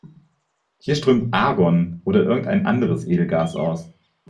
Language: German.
Hier strömt Argon oder irgendein anderes Edelgas aus.